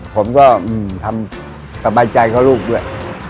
ผมก็ทำสบายใจเขาลูกด้วย